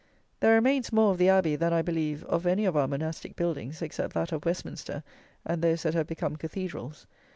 There remains more of the Abbey than, I believe, of any of our monastic buildings, except that of Westminster, and those that have become Cathedrals.